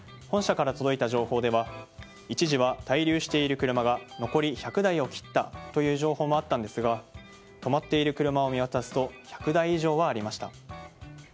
本社から届いた情報では一時は滞留している車が残り１００台を切ったという情報もあったんですが止まっている車を見渡すと１００台以上はありました。